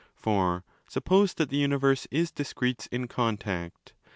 ® For (suppose that the universe is discretes in contact.